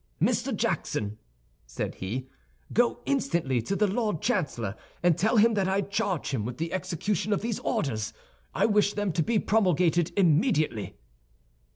"Mr. Jackson," said he, "go instantly to the Lord Chancellor, and tell him that I charge him with the execution of these orders. I wish them to be promulgated immediately."